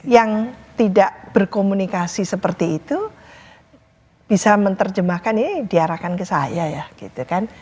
yang tidak berkomunikasi seperti itu bisa menerjemahkan ini diarahkan ke saya ya gitu kan